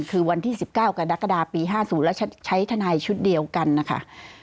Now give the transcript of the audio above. คือวันที่๑๙กรกฎาปี๕๐แล้วใช้ทนายชุดเดียวกันนะคะ